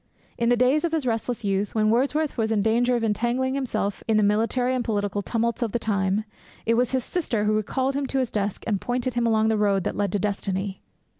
In the days of his restless youth, when Wordsworth was in danger of entangling himself in the military and political tumults of the time, it was his sister who recalled him to his desk and pointed him along the road that led to destiny.